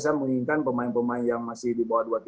saya menginginkan pemain pemain yang masih di bawah